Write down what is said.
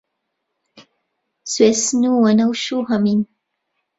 سوێسن و وەنەوش و هەمین